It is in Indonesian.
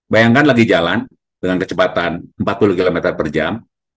bayangkan lagi jalan dengan kecepatan empat puluh km per jam